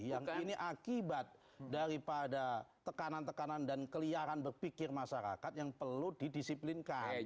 yang ini akibat daripada tekanan tekanan dan keliaran berpikir masyarakat yang perlu didisiplinkan